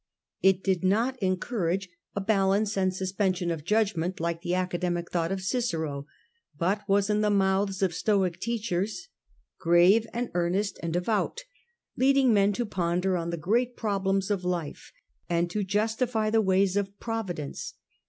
It did not encourage a ofphilo balance and suspense of judgment, like the Srae^tTnd academic thought of Cicero, but was in the mouths of Stoic doctors grave and earnest and devout, leading men to ponder on the great problems of life and to justify the ways of Providence.